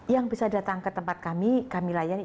yang bisa datang ke tempat kami kami layani